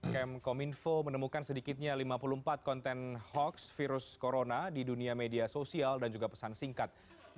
kemkominfo menemukan sedikitnya lima puluh empat konten hoax virus corona di dunia media sosial dan juga pesan singkat